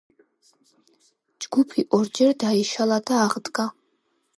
ჯგუფი ორჯერ დაიშალა და აღდგა.